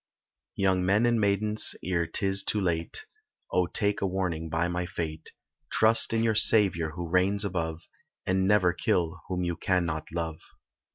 Young men and maidens ere 'tis too late, Oh take a warning by my fate, Trust in your Saviour who reigns above, And never kill whom you cannot love.